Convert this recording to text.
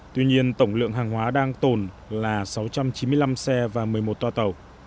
tuy nhiên tổng lượng hàng hóa đang tồn là sáu trăm chín mươi năm xe và một mươi một toa tàu